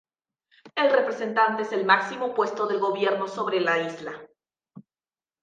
El representante es el máximo puesto del gobierno sobre la isla.